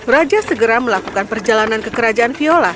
raja segera melakukan perjalanan ke kerajaan viola